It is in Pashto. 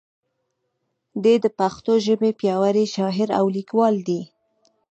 دی د پښتو ژبې پیاوړی شاعر او لیکوال دی.